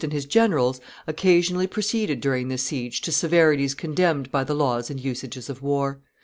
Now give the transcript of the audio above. and his generals occasionally proceeded during this siege to severities condemned by the laws and usages of war.